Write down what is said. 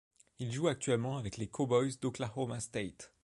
Il joue actuellement avec les Cowboys d'Oklahoma State.